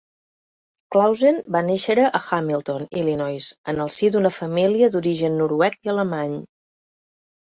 Clausen va néixer a Hamilton, Illinois, en el si d'una família d'origen noruec i alemany.